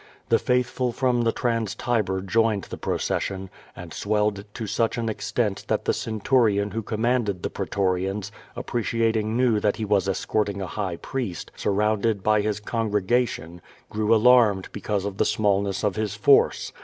The faithful from the Trans Tiber joined the procession, and swelled it to such an extent that the centurion who commanded the pretorians, appreciating now that he was escorting a high priest, surrounded by his con gregation, grew alarmed because of the smallness of his force.